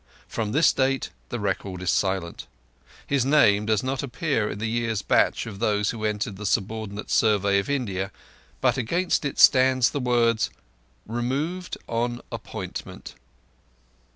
From this date the record is silent. His name does not appear in the year's batch of those who entered for the subordinate Survey of India, but against it stand the words "removed on appointment."